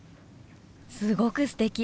すごくすてき！